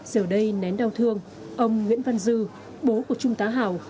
giờ đây nén đau thương ông nguyễn văn dư bố của trung tá hào